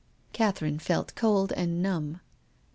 Catherine felt cold and numb.